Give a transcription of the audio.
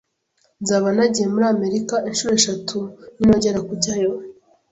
Nzaba nagiye muri Amerika inshuro eshatu ninongera kujyayo.